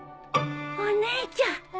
お姉ちゃん！